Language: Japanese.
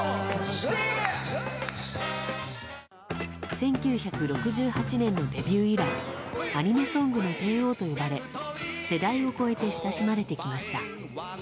１９６８年のデビュー以来アニメソングの帝王と呼ばれ世代を超えて親しまれてきました。